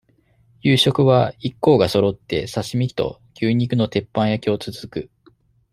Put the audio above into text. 夕食は、一行がそろって、刺身と、牛肉の鉄板焼きをつつく。